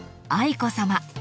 愛子さま。